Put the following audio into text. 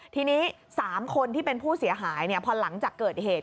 ทีนี้๓คนที่เป็นผู้เสียหายพอหลังจากเกิดเหตุ